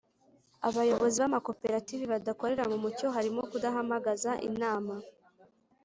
Abayobozi b amakoperative badakorera mu mucyo harimo kudahamagaza inama